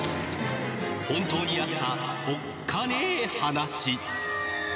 本当にあったおっカネ話！